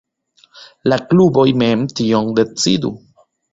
La kluboj mem tion decidu.